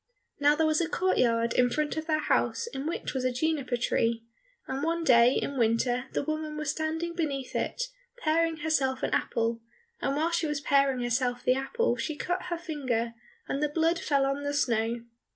Now there was a court yard in front of their house in which was a juniper tree, and one day in winter the woman was standing beneath it, paring herself an apple, and while she was paring herself the apple she cut her finger, and the blood fell on the snow.